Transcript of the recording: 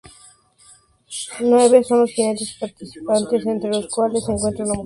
Nueve son los jinetes participantes entre los cuales se encuentra una mujer.